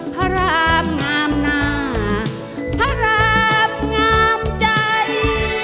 พระรามงามนาผลาบงามใจ